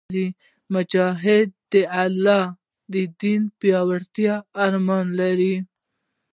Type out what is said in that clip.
مجاهد د الله د دین د پیاوړتیا ارمان لري.